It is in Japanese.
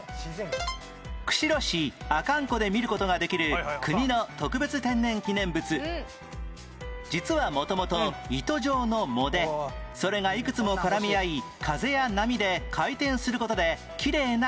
釧路市阿寒湖で見る事ができる実は元々糸状の藻でそれがいくつも絡み合い風や波で回転する事できれいな球体に